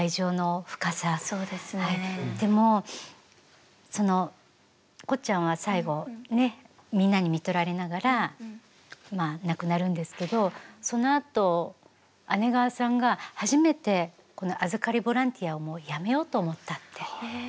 でもそのこっちゃんは最期ねっみんなにみとられながらまあ亡くなるんですけどそのあと姉川さんが初めてこの預かりボランティアをもうやめようと思ったって。